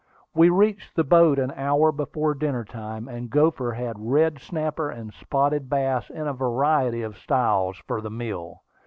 We reached the boat an hour before dinner time, and Gopher had red snapper and spotted bass in a variety of styles for the meal.